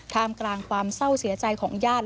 กลางความเศร้าเสียใจของญาติ